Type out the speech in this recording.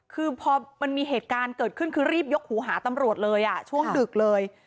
คือพอมันมีเหตุการณ์เกิดขึ้นคือรีบยกหูหาตำรวจเลยช่วงดึกเลย